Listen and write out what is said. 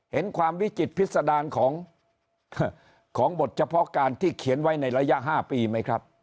เห็นความวิจิตพิษดารของบทเฉพาะการที่เขียนไว้ในระยะ๕ปีไหมครับ